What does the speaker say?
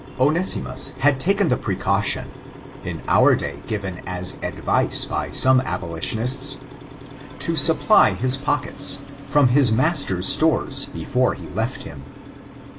Onesimus had taken the precaution, in our day given as advice by some aboli tionists, to supply his pockets, from his master's stores, before he left him.